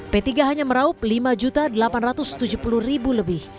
p tiga hanya meraup lima delapan ratus tujuh puluh lebih